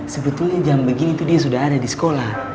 sebetulnya jam begini itu dia sudah ada di sekolah